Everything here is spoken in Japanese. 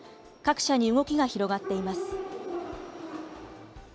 各社に動きが広がっています。